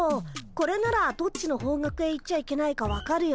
これならどっちの方角へ行っちゃいけないか分かるよ。